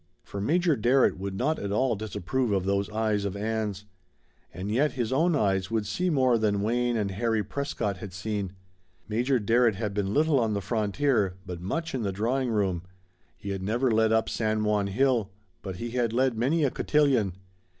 For Major Darrett would not at all disapprove of those eyes of Ann's. And yet his own eyes would see more than Wayne and Harry Prescott had seen. Major Darrett had been little on the frontier, but much in the drawing room; he had never led up San Juan hill, but he had led many a cotillion.